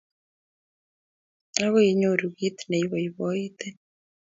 Akoi inyoru ki ne i poipoitin.